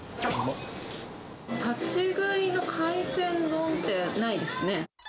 立ち食いの海鮮丼ってないですね。